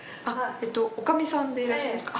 女将さんでいらっしゃいますか？